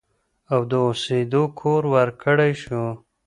او د اوسېدو کور ورکړی شو